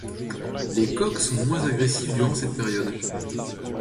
Les coqs sont moins agressifs durant cette période.